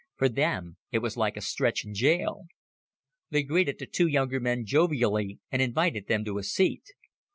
For them, it was like a stretch in jail. They greeted the two younger men jovially and invited them to a seat.